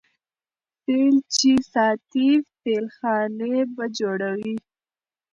ـ فيل چې ساتې فيلخانې به جوړوې.